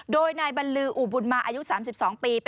โดยนายบรรลืออุบุญมาอายุ๓๒ปี